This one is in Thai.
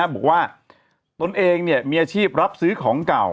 บอกว่าตนเองมีอาชีพรับซื้อของเก่า